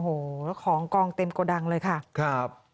โอ้โหของกล่องเต็มโกดังเลยค่ะ